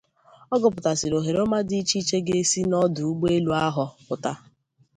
Ọ gụpụtasịrị òhèrè ọma dị iche iche ga-esi n'ọdụ ụgbọelu ahụ pụta